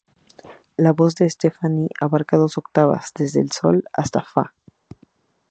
La voz de Stefani abarca dos octavas, desde "sol" hasta "fa".